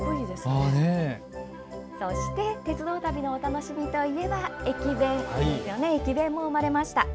そして鉄道旅のお楽しみといえば、駅弁も生まれました。